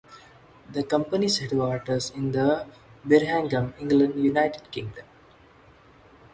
The company's headquarters are in Birmingham, England, United Kingdom.